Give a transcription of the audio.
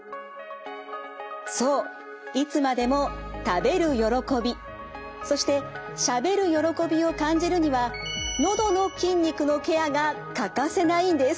そういつまでも食べる喜びそしてしゃべる喜びを感じるにはのどの筋肉のケアが欠かせないんです。